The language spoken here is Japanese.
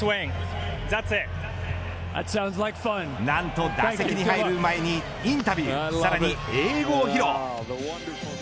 なんと打席に入る前にインタビューさらに英語を披露。